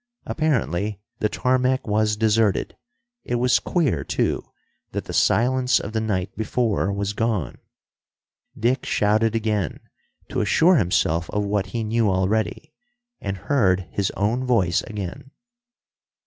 Apparently the tarmac was deserted. It was queer, too, that the silence of the night before was gone. Dick shouted again, to assure himself of what he knew already, and heard his own voice again.